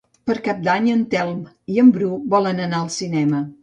Per Cap d'Any en Telm i en Bru volen anar al cinema.